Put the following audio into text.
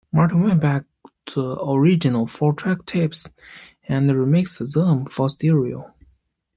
Martin went back to the original four-track tapes and remixed them for stereo.